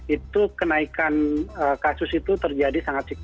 itu kenaikan kasus itu terjadi sangat signifikan